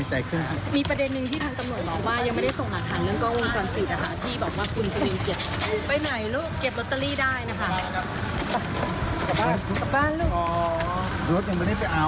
ไปเลยเดี๋ยวเอาเอง